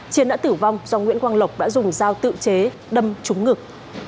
chiến đã tử vong do nguyễn quang lộc đã dùng dao tự chế đâm trúng ngực